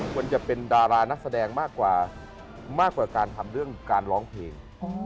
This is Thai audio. ควรจะเป็นดารานักแสดงมากกว่ามากกว่าการทำเรื่องการร้องเพลง